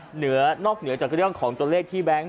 เนื้อนอกเหนือจากกระดิ่งของจนเรทที่แบงค์